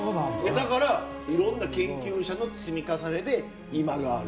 だからいろんな研究者の積み重ねで今がある。